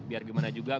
biar gimana juga